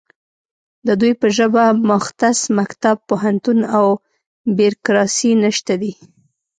د دوی په ژبه مختص مکتب، پوهنتون او بیرکراسي نشته دی